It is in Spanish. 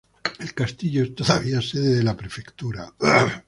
El castillo es todavía sede de la prefectura.